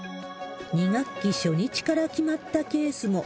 ２学期初日から決まったケースも。